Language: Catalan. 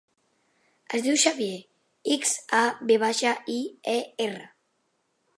Es diu Xavier: ics, a, ve baixa, i, e, erra.